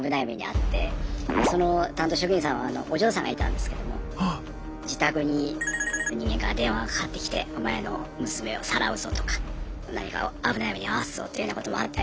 その担当職員さんはお嬢さんがいたんですけども自宅にの人間から電話がかかってきてとか何か危ない目に遭わすぞというようなこともあったり。